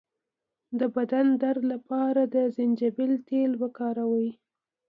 د بدن درد لپاره د زنجبیل تېل وکاروئ